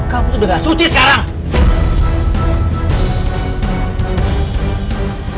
kamu tuh udah gak suci sekarang